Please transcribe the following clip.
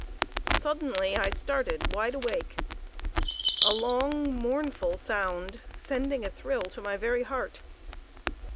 Suddenly I started wide awake, a long mournful sound sending a thrill to my very heart.